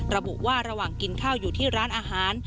ระบุว่าระหว่างกินข้าวอยู่ที่ร้านอาหาร